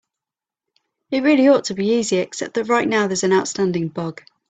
It really ought to be easy, except that right now there's an outstanding bug.